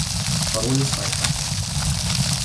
Пароли сайтов